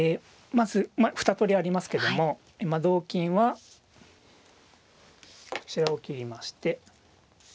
まず２通りありますけども同金はこちらを切りまして同玉。